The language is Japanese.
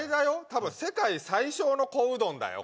多分世界最小の小うどんだよ